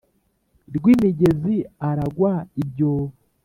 rwimigezi aragwa ibyobo